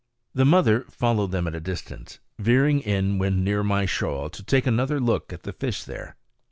The mother followed them at a distance, veering in when near my shoal to take another look at the fish there.